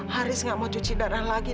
haris nggak mau cuci darah lagi